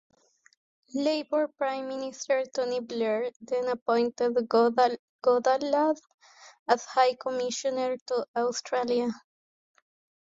Labour Prime Minister Tony Blair then appointed Goodlad as High Commissioner to Australia.